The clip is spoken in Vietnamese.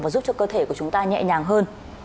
và giúp cho cơ thể của chúng ta nhẹ nhàng hơn